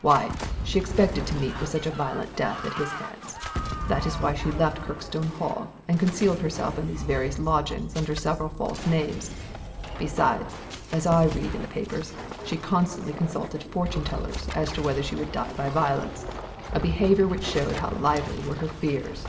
Why, she expected to meet with a violent death at his hands. That was why she leflt Kirkstone Hall, and concealed herself in these various lodgings under several fabe names. Besides, as I read in the papers, she constantly consulted fortune tellers as to whether she would die by violence : a behaviour which showed how lively were her fears."